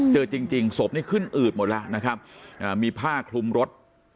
เจอจริงศพนี่ขึ้นอืดหมดแล้วนะครับมีผ้าคลุมรถ